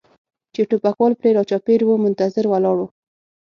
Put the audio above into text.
چې ټوپکوال پرې را چاپېر و منتظر ولاړ و.